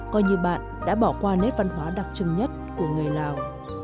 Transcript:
coi như bạn đã bỏ qua nét văn hóa đặc trưng nhất của người lào